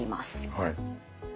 はい。